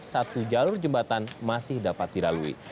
satu jalur jembatan masih dapat dilalui